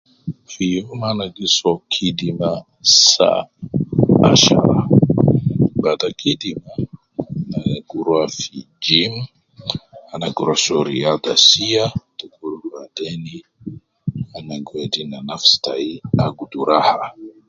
Fi ana gi soo kidima saa ,ashara, bada kidima, ana gi rua fi gym, ana gi rua soo riata sia dukur baden ana gi wedi ne anas tai akudu raha